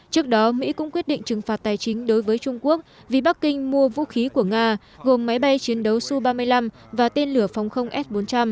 trước đó mỹ cũng quyết định trừng phạt tài chính đối với trung quốc vì bắc kinh mua vũ khí của nga gồm máy bay chiến đấu su ba mươi năm và tên lửa phòng không s bốn trăm linh